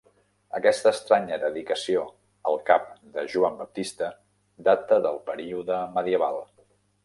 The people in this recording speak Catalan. Aquesta estranya dedicació al cap de Joan Baptista data del període medieval.